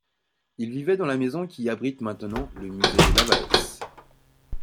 Il vivait dans la maison qui abrite maintenant le musée Lawaetz.